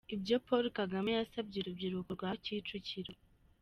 - Ibyo Paul Kagame yasabye urubyiruko rwa Kicukiro….